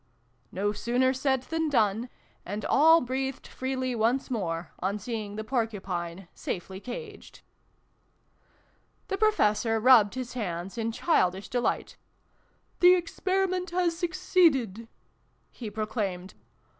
" No sooner said than done : and all breathed freely once more, on seeing the Porcupine safely caged. The Professor rubbed his hands in childish delight. " The Experiment has succeeded !" he proclaimed.